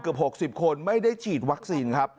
เกือบ๖๐คนไม่ได้ฉีดวัคซีน